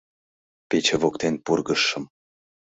Пече воктен пургыжшым